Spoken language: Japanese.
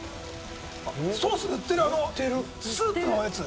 ソースで売ってるあのスープのやつ